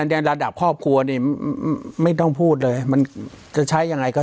ในระดับครอบครัวนี่ไม่ต้องพูดเลยมันจะใช้ยังไงก็